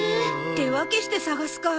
手分けして捜すか。